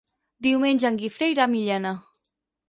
Diumenge en Guifré irà a Millena.